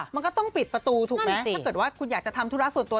มันก็ต้องปิดประตูถูกไหมถ้าเกิดว่าคุณอยากจะทำธุระส่วนตัว